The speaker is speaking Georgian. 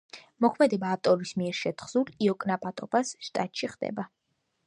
მოქმედება ავტორის მიერ შეთხზულ იოკნაპატოფას შტატში ხდება.